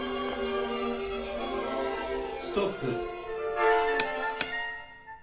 ストップ。